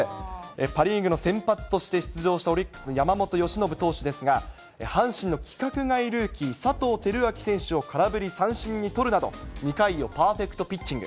パ・リーグの先発として出場したオリックス、山本由伸投手ですが、阪神の規格外ルーキー、佐藤てるあき選手を空振り三振に取るなど、２回をパーフェクトピッチング。